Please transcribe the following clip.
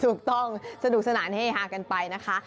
ถูกต้องสนุกสนานเฮฮากันไปนะคะ